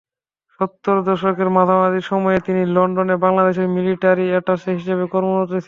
সত্তরের দশকের মাঝামাঝি সময়ে তিনি লন্ডনে বাংলাদেশের মিলিটারি অ্যাটাশে হিসেবে কর্মরত ছিলেন।